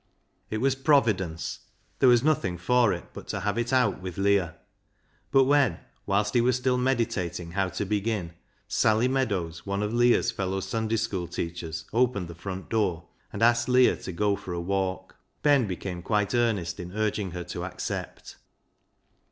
It was Providence. There was nothing for it but to have it out with Leah ; but when — whilst he was still meditating how to begin — Sally Meadows, one of Leah's fellow Sunday school teachers, opened the front door and asked Leah to go for a walk, Ben became quite earnest in urging her to accept.